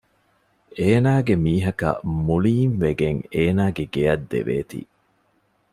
އޭނާގެ މީހަކަށް މުޅީންވެގެން އޭނާގެ ގެއަށް ދެވޭތީ